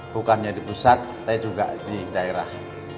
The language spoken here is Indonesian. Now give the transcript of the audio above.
bukannya di pusat tapi juga di daerah